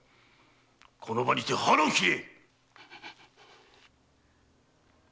この場にて腹を切れ‼